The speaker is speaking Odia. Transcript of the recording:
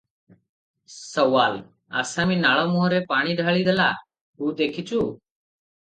ସୱାଲ - ଆସାମୀ ନାଳ ମୁହଁରେ ପାଣି ଢାଳି ଦେଲା, ତୁ ଦେଖିଛୁ?